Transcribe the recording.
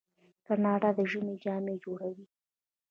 کاناډا د ژمي جامې جوړوي.